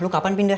lu kapan pindah